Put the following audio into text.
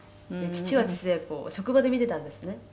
「父は父でこう職場で見てたんですね」